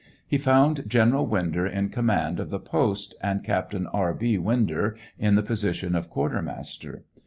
He found General Winder in command of the post and Captain R. B. Winder in the position of quartermaster.